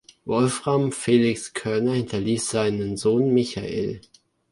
Wolfram „Felix“ Körner hinterließ seinen Sohn Michael.